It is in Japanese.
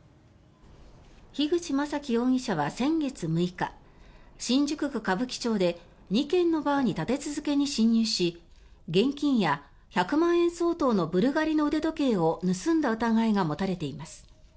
樋口将暉容疑者は先月６日新宿区歌舞伎町で２軒のバーに立て続けに侵入し現金や１００万円相当のブルガリの腕時計を盗んだ疑いが持たれています。